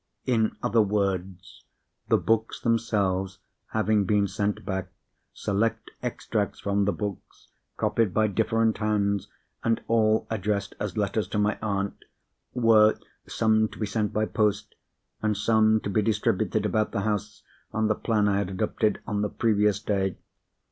In other words, the books themselves having been sent back, select extracts from the books, copied by different hands, and all addressed as letters to my aunt, were, some to be sent by post, and some to be distributed about the house on the plan I had adopted on the previous day.